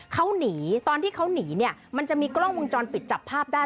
เขาหนีตอนที่เขาหนีเนี่ยมันจะมีกล้องวงจรปิดจับภาพได้